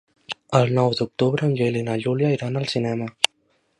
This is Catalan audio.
El nou d'octubre en Gil i na Júlia iran al cinema.